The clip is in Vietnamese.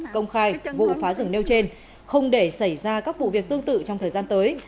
công khai vụ phá rừng nêu trên không để xảy ra các vụ việc tương tự trong thời gian tới